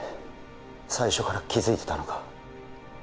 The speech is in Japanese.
最初から気づいてたのか？